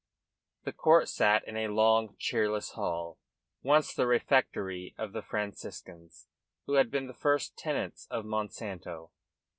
The court sat in a long, cheerless hall, once the refectory of the Franciscans, who had been the first tenants of Monsanto.